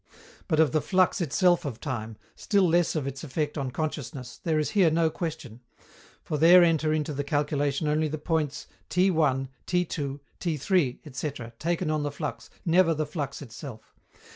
But of the flux itself of time, still less of its effect on consciousness, there is here no question; for there enter into the calculation only the points T_, T_, T_, ... taken on the flux, never the flux itself.